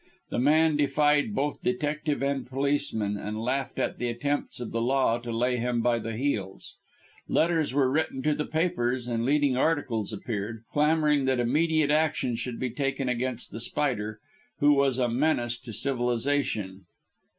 The man defied both detective and policeman, and laughed at the attempts of the law to lay him by the heels. Letters were written to the papers and leading articles appeared, clamouring that immediate action should be taken against The Spider, who was a menace to civilisation.